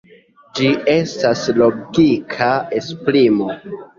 Ĝi estas logika esprimo.